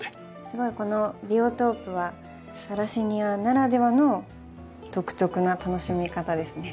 すごいこのビオトープはサラセニアならではの独特な楽しみ方ですね。